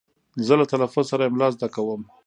زه له تلفظ سره املا زده کوم.